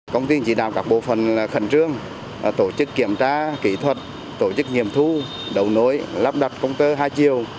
công ty chỉ đào các bộ phần khẩn trương tổ chức kiểm tra kỹ thuật tổ chức nghiệm thu đầu nối lắp đặt công tơ hai chiều